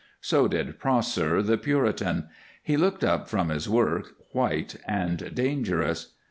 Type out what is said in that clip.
So did Prosser, the Puritan. He looked up from his work, white and dangerous.